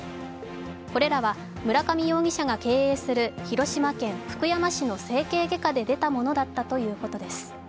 これらは、村上容疑者が経営する広島県福山市の整形外科で出たものだったということです。